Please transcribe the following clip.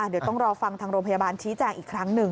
เดี๋ยวต้องรอฟังทางโรงพยาบาลชี้แจงอีกครั้งหนึ่ง